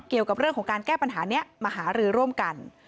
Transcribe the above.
เกี่ยวกับเรื่องของการแก้ปัญหานี้มาหารือร่วมกัน